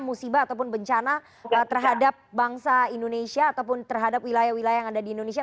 musibah ataupun bencana terhadap bangsa indonesia ataupun terhadap wilayah wilayah yang ada di indonesia